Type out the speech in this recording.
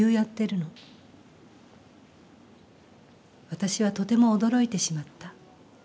私はとても驚いてしまった。